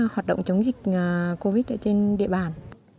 hoạt động chống dịch covid trên địa bàn